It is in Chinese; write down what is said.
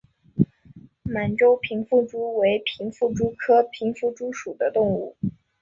满洲平腹蛛为平腹蛛科平腹蛛属的动物。